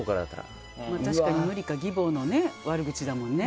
確かに無理か義母の悪口だもんね。